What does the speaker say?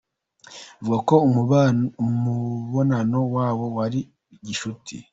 Bivugwa ko umubonano wabo wari gicuti.